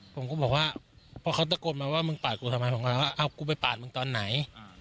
ผมก็บอกว่าพอเขาตะโกนมาว่ามึงปาดกูทำไมผมก็ถามว่าเอากูไปปาดมึงตอนไหน